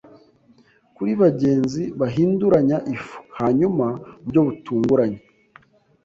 kuri bagenzi bahinduranya ifu; hanyuma mu buryo butunguranye